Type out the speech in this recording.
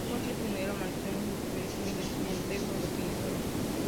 Coches, dinero, mansiones, mujeres, Miles Montego lo tiene todo.